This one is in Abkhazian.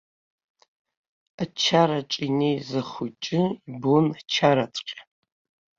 Ачараҿы инеиз ахәыҷы ибон ачараҵәҟьа.